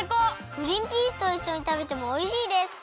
グリンピースといっしょにたべてもおいしいです！